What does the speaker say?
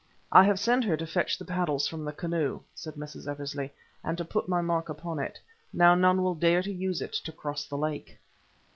"I have sent her to fetch the paddles from the canoe," said Mrs. Eversley, "and to put my mark upon it. Now none will dare to use it to cross the lake."